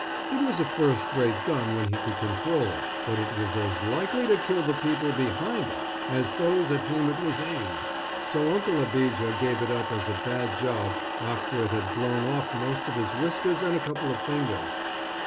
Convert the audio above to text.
It was a first rate gun when he could control it, but it was as likely to kill the people behind it as those at whom it was aimed, so Uncle Abijah gave it up as a bad job after it had blown off most of his whiskers and a couple of fingers.